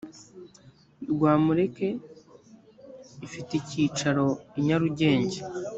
rwamureke ifite icyicaro i nyarugenge.